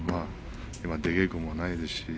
出稽古もないですし。